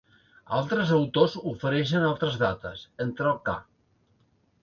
Altres autors ofereixen altres dates, entre el ca.